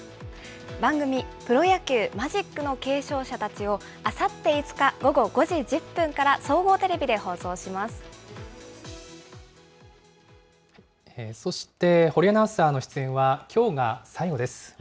番組、プロ野球マジックの継承者たちを、あさって５日午後５時１０分からそして、堀アナウンサーの出演はきょうが最後です。